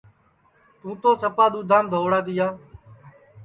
تُوں تو سپا دؔدھام دھؤڑا تِیا